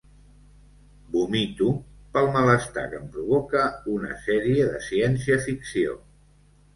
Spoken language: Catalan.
Vomito pel malestar que em provoca una sèrie de ciència ficció.